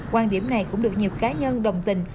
quan điểm này cũng được nhiều cá nhân đồng tình